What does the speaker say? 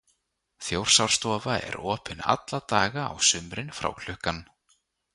Þjórsárstofa er opin alla daga á sumrin frá klukkan